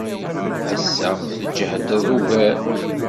Ass-a, tjehded ugar.